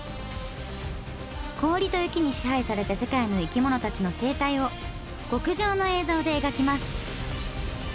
氷と雪に支配された世界の生き物たちの生態を極上の映像で描きます！